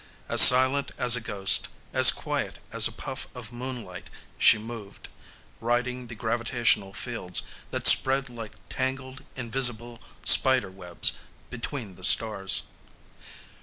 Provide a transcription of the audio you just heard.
As silent as a ghost, as quiet as a puff of moonlight she moved, riding the gravitational fields that spread like tangled, invisible spider webs between the stars.